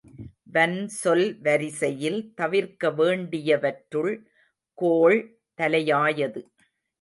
வன்சொல் வரிசையில் தவிர்க்க வேண்டியவற்றுள் கோள் தலையாயது.